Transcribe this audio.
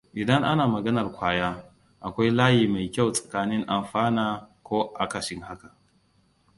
Idan ana maganar ƙwaya, akwai layi mai kyau tsakanin amfana ko akasin haka.